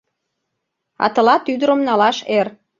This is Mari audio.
А тылат ӱдырым налаш эр.